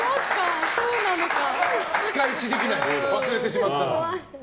仕返しできない忘れてしまったら。